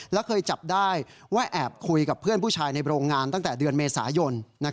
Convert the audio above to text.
และเคยจับได้ว่าแอบคุยกับเพื่อนผู้ชายในโรงงานตั้งแต่เดือนเมษายน